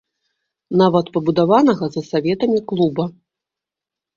Нават пабудаванага за саветамі клуба.